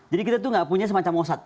jadi kita itu enggak punya semacam osad